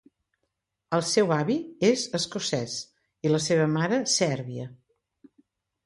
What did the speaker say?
El seu avi és escocès i la seva mare sèrbia.